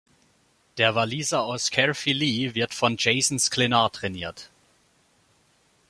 Der Waliser aus Caerphilly wird von Jason Sklenar trainiert.